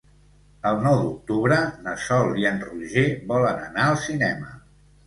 El nou d'octubre na Sol i en Roger volen anar al cinema.